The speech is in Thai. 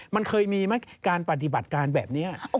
มันเคยมีไหมการปฏิบัติการแบบนี้